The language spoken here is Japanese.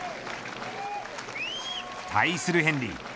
対するヘンリー。